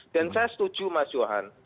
dan saya setuju mas johan